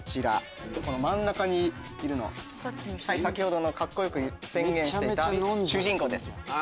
真ん中にいるの先ほどのカッコ良く宣言していた主人公です。